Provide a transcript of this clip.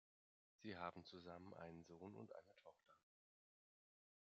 Sie haben zusammen einen Sohn und eine Tochter.